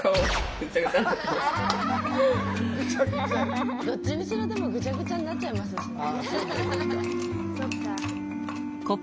あのどっちにしろでもぐちゃぐちゃになっちゃいますしね。